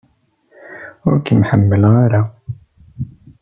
Ur kem-ḥemmleɣ ara!